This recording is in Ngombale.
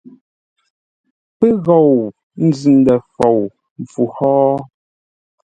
Pə́ ghou nzʉ-ndə̂ fou mpfu hó?